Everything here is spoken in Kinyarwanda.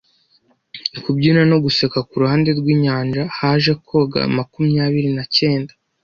Kubyina no guseka kuruhande rwinyanja haje koga makumyabiri na cyenda,